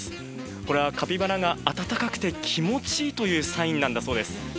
これはカピバラが暖かくて気持ちいいというサインなんだそうです。